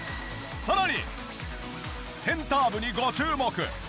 さらにセンター部にご注目！